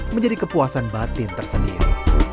menjadi kepuasan batin tersendiri